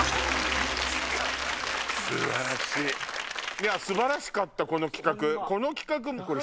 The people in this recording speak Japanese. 以上素晴らしかったこの企画。